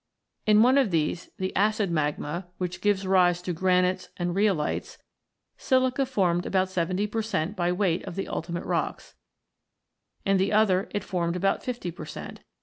In one of these, the "acid" magma, which gives rise to granites and rhyolites, silica formed about 70 per cent, by weight of the ultimate rocks ; in the other, it formed about 50 per cent.